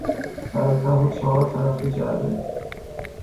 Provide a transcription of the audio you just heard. سر و ته و چهار طرف جعبه